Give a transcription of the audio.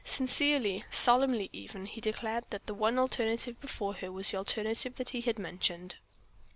Sincerely, solemnly even, he declared that the one alternative before her was the alternative that he had mentioned.